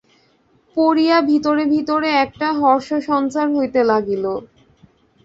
পড়িয়া ভিতরে ভিতরে একটা হর্ষসঞ্চার হইতে লাগিল।